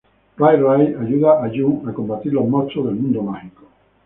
Ray-Ray ayuda a June a combatir los monstruos del mundo mágico.